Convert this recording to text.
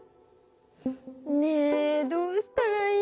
ねえどうしたらいいんだろう？